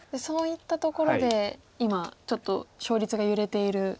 そういったところで今ちょっと勝率が揺れている。